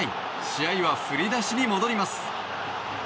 試合は振り出しに戻ります。